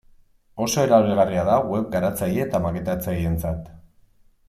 Oso erabilgarria da web garatzaile eta maketatzaileentzat.